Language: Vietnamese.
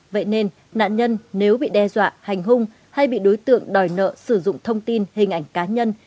vậy nên nạn nhân nếu bị đe dọa hành hung hay bị đối tượng đòi nợ sử dụng thông tin hình ảnh cá nhân